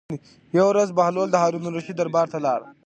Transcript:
یوه ورځ بهلول د هارون الرشید دربار ته لاړ.